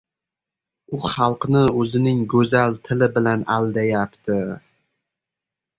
— U xalqni o‘zining go‘zal tili bilan aldayapti!